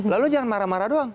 lalu jangan marah marah doang